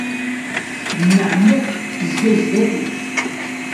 Nneɛma-k tezga zdat-i.